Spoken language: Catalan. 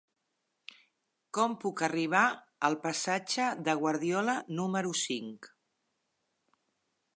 Com puc arribar al passatge de Guardiola número cinc?